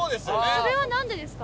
それは何でですか？